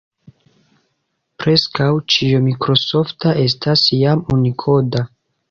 Preskaŭ ĉio mikrosofta estas jam unikoda.